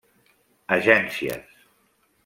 Agències: